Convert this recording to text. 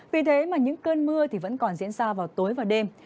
vì thế mà những cơn mưa vẫn còn diễn ra vào tối và đêm